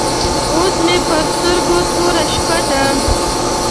اوس مې پر سترګو توره شپه ده.